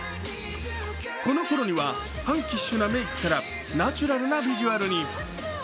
この頃には、パンキッシュなメークからナチュラルなビジュアルに。